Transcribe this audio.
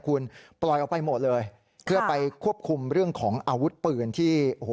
คุณปล่อยออกไปหมดเลยเพื่อไปควบคุมเรื่องของอาวุธปืนที่โอ้โห